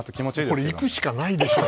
これ、行くしかないでしょ！